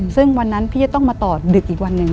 ซึ่งวันนั้นพี่จะต้องมาต่อดึกอีกวันหนึ่ง